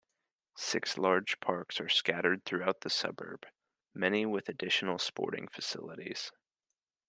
Six large parks are scattered throughout the suburb, many with additional sporting facilities.